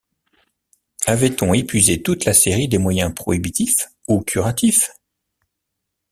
Avait-on épuisé toute la série des moyens prohibitifs ou curatifs?...